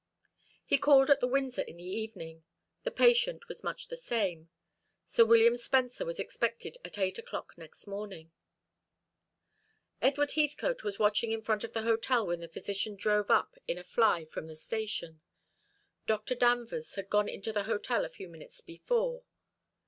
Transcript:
He called at the Windsor in the evening. The patient was much the same. Sir William Spencer was expected at eight o'clock next morning. Edward Heathcote was watching in front of the hotel when the physician drove up in a fly from the station. Dr. Danvers had gone into the hotel a few minutes before.